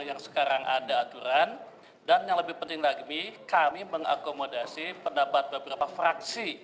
yang sekarang ada aturan dan yang lebih penting lagi kami mengakomodasi pendapat beberapa fraksi